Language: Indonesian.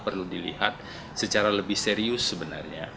perlu dilihat secara lebih serius sebenarnya